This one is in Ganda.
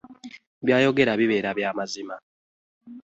Byayogera bibeera bya mazima.